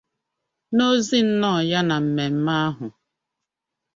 N'ozi nnọọ ya na mmemme ahụ